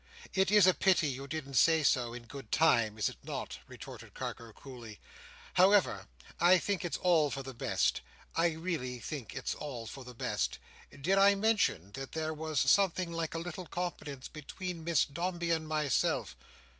"It is a pity you didn't say so, in good time, is it not?" retorted Carker, coolly. "However, I think it's all for the best. I really, think it's all for the best. Did I mention that there was something like a little confidence between Miss Dombey and myself?"